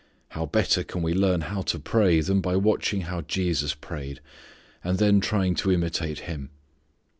How better can we learn how to pray than by watching how Jesus prayed, and then trying to imitate Him.